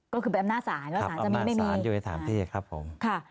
ก็คือเป็นอำนาจศาลแล้วศาลจำนี้ไม่มีครับอำนาจศาลอยู่ใน๓ที่ครับผมค่ะ